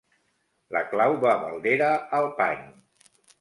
La clau va baldera al pany.